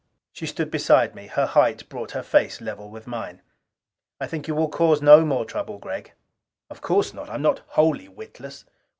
She stood beside me. Her height brought her face level with mine. "I think you will cause no more trouble, Gregg?" "Of course not. I am not wholly witless."